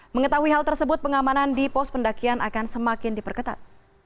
mengetahui hal tersebut pengamanan di pos pendakian akan semakin diperketat